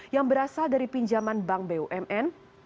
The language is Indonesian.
yang berasal dari pinjaman bank bumn